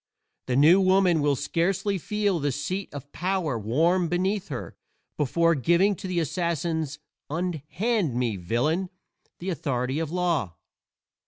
The New Woman will scarcely feel the seat of power warm beneath her before giving to the assassin's "unhand me, villain!" the authority of law.